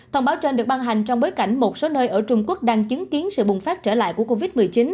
thông báo trên được băng hành trong bối cảnh một số nơi ở trung quốc đang chứng kiến sự bùng phát trở lại của covid một mươi chín